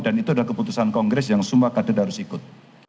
dan itu adalah keputusan kongres yang semua kader harus ikut